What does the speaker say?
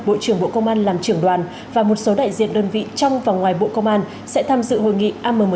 bộ trưởng bộ công an làm trưởng đoàn và một số đại diện đơn vị trong và ngoài bộ công an sẽ tham dự hội nghị ammd lần thứ bảy